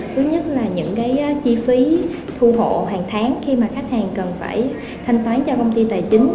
thứ nhất là những cái chi phí thu hộ hàng tháng khi mà khách hàng cần phải thanh toán cho công ty tài chính